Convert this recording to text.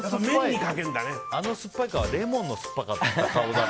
あの酸っぱい顔はレモンのすっぱかった顔だった。